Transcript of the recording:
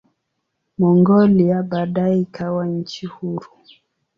Mongolia baadaye ikawa nchi huru.